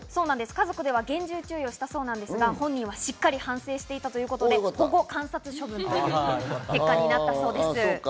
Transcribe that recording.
家族では厳重注意したそうですが、本人はしっかり反省したということで保護観察処分ということになったそうです。